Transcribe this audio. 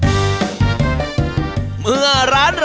อาหารการกิน